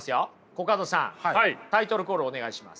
コカドさんタイトルコールお願いします。